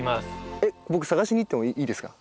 えっ僕探しに行ってもいいですか？